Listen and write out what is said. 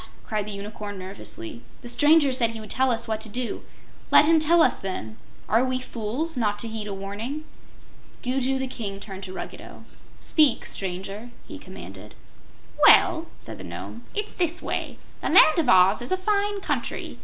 cried the Unicorn, nervously. "The stranger said he would tell us what to do. Let him tell us, then. Are we fools, not to heed a warning?" Gugu the King turned to Ruggedo. "Speak, Stranger," he commanded. "Well," said the Nome, "it's this way: The Land of Oz is a fine country.